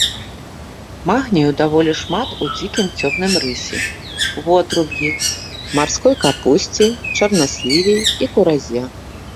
Магнію даволі шмат у дзікім цёмным рысе, вотруб'і, марской капусце, чарнасліве і куразе.